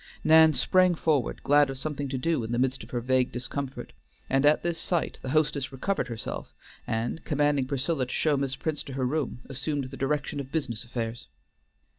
Nan sprang forward, glad of something to do in the midst of her vague discomfort, and at this sight the hostess recovered herself, and, commanding Priscilla to show Miss Prince to her room, assumed the direction of business affairs.